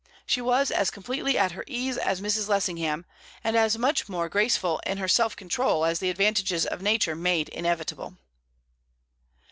She was as completely at her ease as Mrs. Lessingham, and as much more graceful in her self control as the advantages of nature made inevitable.